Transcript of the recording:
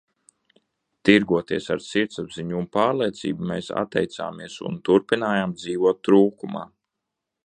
Tirgoties ar sirdsapziņu un pārliecību mēs atteicāmies un turpinājām dzīvot trūkumā.